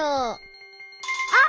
あっ！